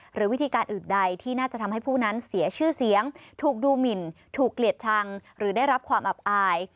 หรือวิธีการอื่นใดที่น่าจะทำให้ผู้นั้นเสียชื่อเสียงถูกดูหมินถูกเกลียดชังหรือได้รับความอับอาย